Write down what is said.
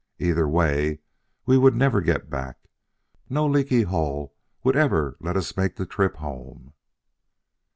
Either way we would never get back: no leaky hull would ever let us make the trip home!"